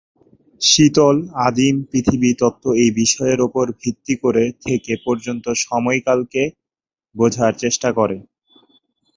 শীতল আদিম পৃথিবী তত্ত্ব এই বিষয়ের উপর ভিত্তি করে থেকে পর্যন্ত সময়কালকে বোঝার চেষ্টা করে।